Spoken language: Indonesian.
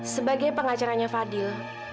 sebagai pengacaranya fadil